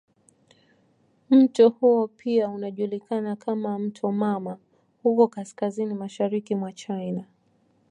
Mto huo pia unajulikana kama "mto mama" huko kaskazini mashariki mwa China.